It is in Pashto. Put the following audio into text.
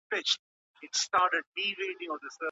ولي ملي سوداګر کرنیز ماشین الات له ازبکستان څخه واردوي؟